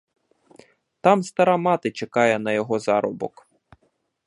Там стара мати чекає на його заробок.